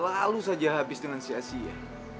lalu saja habis dengan sia sia